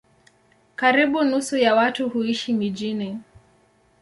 Karibu nusu ya watu huishi mijini.